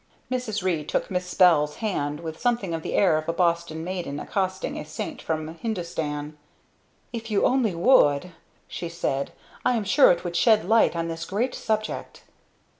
Mrs. Ree took Miss Bell's hand with something of the air of a Boston maiden accosting a saint from Hindoostan. "If you only would!" she said. "I am sure it would shed light on this great subject!"